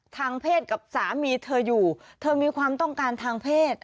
ทางเพศกับสามีเธออยู่เธอมีความต้องการทางเพศ